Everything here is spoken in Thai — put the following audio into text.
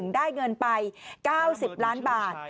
ได้เงินไป๙๐ล้านบาท